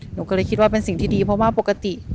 หนูก็เลยคิดว่าเป็นสิ่งที่ดีเพราะว่าปกติ